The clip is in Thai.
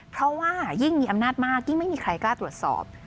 เพราะว่ายิ่งมีอำนาจมากยิ่งไม่มีใครกล้าตรวจสอบ